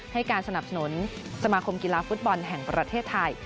ให้การสนับสนุนสมาคมกีฬาฟุตบอลแห่งประเทศไทย